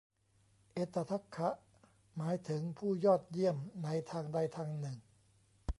เอตทัคคะ หมายถึงผู้ยอดเยี่ยมในทางใดทางหนึ่ง